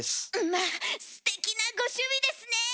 まあステキなご趣味ですねえ！